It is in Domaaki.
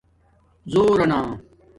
زݸر نا